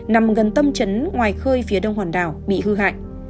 nằm gần tâm chấn ngoài khơi phía đông hòn đảo bị hư hại